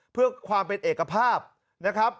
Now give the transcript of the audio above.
เพื่อความเป็นเอกภาพนะครับ